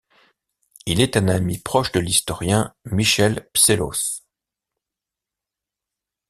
Il est un ami proche de l'historien Michel Psellos.